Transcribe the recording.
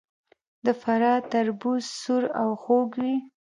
د فراه تربوز سور او خوږ وي.